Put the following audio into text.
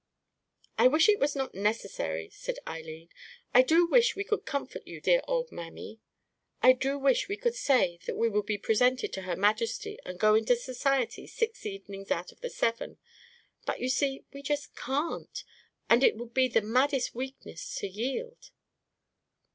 "I wish it was not necessary," said Eileen. "I do wish we could comfort you, dear old mammy. I do wish we could say that we would be presented to Her Majesty, and go into society six evenings out of the seven; but you see we just can't, and it would be the maddest weakness to yield."